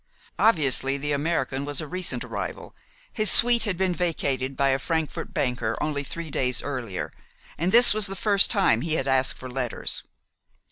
Obviously, the American was a recent arrival. His suite had been vacated by a Frankfort banker only three days earlier, and this was the first time he had asked for letters.